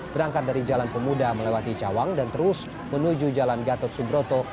berangkat dari jalan pemuda melewati cawang dan terus menuju jalan gatot subroto